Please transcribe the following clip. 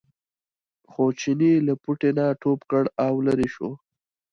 خو چیني له پوټي نه ټوپ کړ او لرې شو.